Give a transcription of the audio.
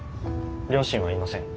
両親はいません。